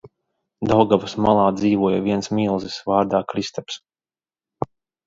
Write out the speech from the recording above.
Daugavas malā dzīvoja viens milzis, vārdā Kristaps.